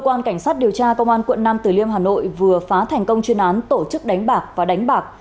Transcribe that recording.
cơ quan cảnh sát điều tra công an quận nam từ liêm hà nội vừa phá thành công chuyên án tổ chức đánh bạc và đánh bạc